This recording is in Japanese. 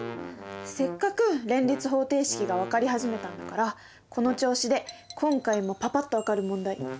せっかく連立方程式が分かり始めたんだからこの調子で今回もパパっと分かる問題やってみよう！